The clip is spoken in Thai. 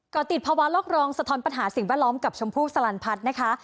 ก็ติดภาวะโลกรองสะท้อนปัญหาสิ่งแวดล้อมกับชมพู่สลันพัฒน์นะคะ